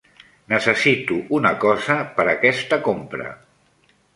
Necessito una cosa per aquesta compra.